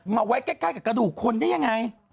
มาไว้ใกล้กับกระดูกคนได้ยังไง